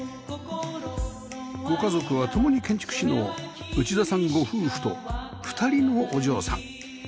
ご家族は共に建築士の内田さんご夫婦と２人のお嬢さん